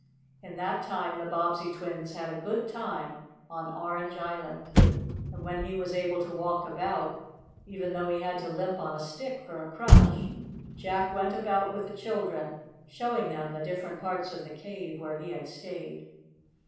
In that time the Bobbsey twins had a good time on Orange Island, and when he was able to walk about, even though he had to limp on a stick for a crutch, Jack went about with the children, showing them the different parts of the cave where he had stayed.